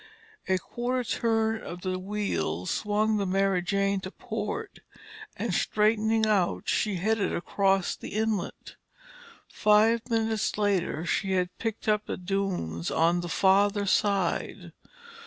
A quarter turn of the wheel swung the Mary Jane to port and straightening out, she headed across the inlet. Five minutes later she had picked up the dunes on the farther side.